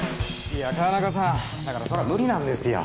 いや川中さんだからそれは無理なんですよ